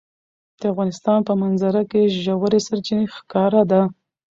د افغانستان په منظره کې ژورې سرچینې ښکاره ده.